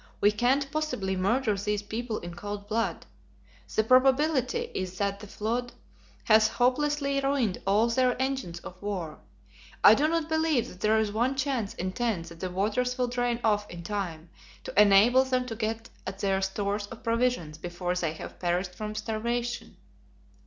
"We can't possibly murder these people in cold blood. The probability is that the flood has hopelessly ruined all their engines of war. I do not believe that there is one chance in ten that the waters will drain off in time to enable them to get at their stores of provisions before they have perished from starvation."